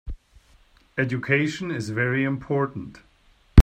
Education is very important.